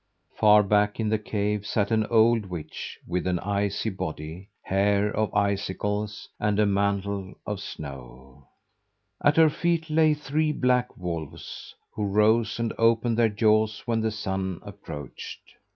Far back in the cave sat an old witch with an ice body, hair of icicles, and a mantle of snow! At her feet lay three black wolves, who rose and opened their jaws when the Sun approached.